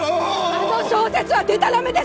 あの小説はデタラメです！